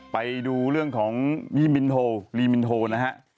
ไปดูเรื่องของพี่มินโทรีมินโทนะฮะ